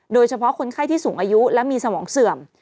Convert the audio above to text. โดยเฉพาะคนไข้ที่สูงอายุและมีสมองเสื่อม